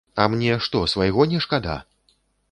А мне, што свайго не шкада?